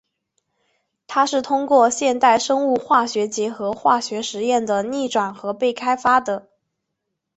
它是通过现代生物化学结合化学实验的逆转而被开发的。